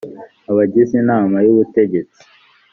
abagize inama y’ ubutegetsi